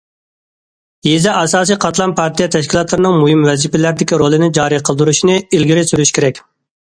يېزا ئاساسىي قاتلام پارتىيە تەشكىلاتلىرىنىڭ مۇھىم ۋەزىپىلەردىكى رولىنى جارى قىلدۇرۇشنى ئىلگىرى سۈرۈش كېرەك.